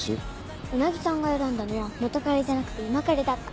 うなぎさんが選んだのは元カレじゃなくて今カレだった。